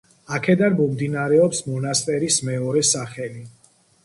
აქედან მომდინარეობს მონასტერის მეორე სახელი.